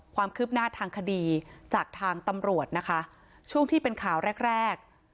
ความคืบหน้าทางคดีจากทางตำรวจนะคะช่วงที่เป็นข่าวแรกแรก